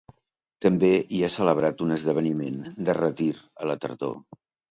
També hi ha celebrat un esdeveniment de retir a la tardor.